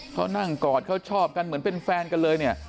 เขานั่งกอดเขาชอบกันเหมือนเป็นแฟนกันเลยเนี่ย